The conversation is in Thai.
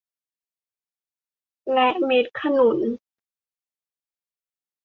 และเม็ดขนุน